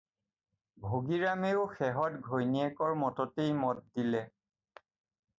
ভগীৰামেও শেহত ঘৈণীয়েকৰ মততেই মত দিলে।